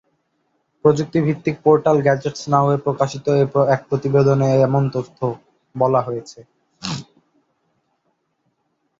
প্রযুক্তিভিত্তিক portal Gadgets Now এ প্রকাশিত এক প্রতিবেদনে বলা হয়েছে এমন তথ্য।